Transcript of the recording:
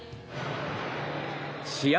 試合